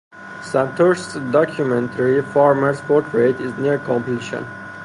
Santosh's documentary "Farmers Portrait" is near completion.